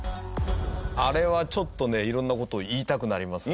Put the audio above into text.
あれはちょっとね色んな事を言いたくなります。